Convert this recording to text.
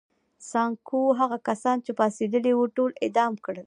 سانکو هغه کسان چې پاڅېدلي وو ټول اعدام کړل.